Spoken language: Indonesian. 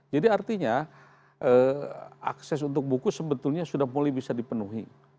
jadi artinya akses untuk buku sebetulnya sudah mulai bisa dipenuhi